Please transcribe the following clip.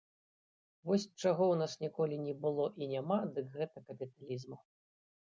Вось чаго ў нас ніколі не было і няма, дык гэта капіталізму.